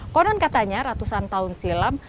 konon katanya ratusan tahun silam